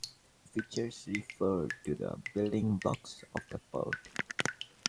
"Features" refer to the building blocks of the part.